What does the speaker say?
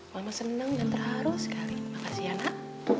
mama senang dan terharu sekali makasih ya nak